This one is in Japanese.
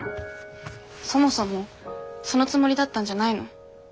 そもそもそのつもりだったんじゃないの？